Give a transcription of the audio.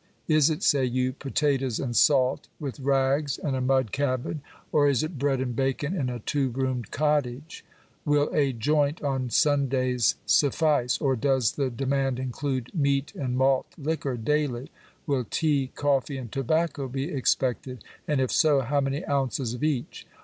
<c Is it," say you, u potatoes and salt, with rags and a mud cabin ? or is it bread and bacon, in a two roomed cottage ? Will a joint on Sundays suffice ? or does the de mand include meat and malt liquor daily ? Will tea, ooffee, and tobacco be expected ? and if so, how many ounces of each